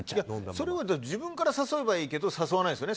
それは自分から誘えばいいけど誘わないんですよね。